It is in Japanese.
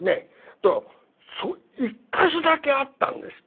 ただ１か所だけ合ったんですって。